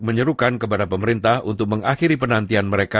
menyerukan kepada pemerintah untuk mengakhiri penantian mereka